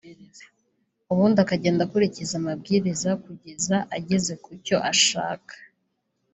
ubundi akagenda akurikiza amabwiriza kugeza ageze ku cyo ashaka